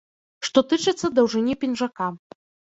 Што тычыцца даўжыні пінжака.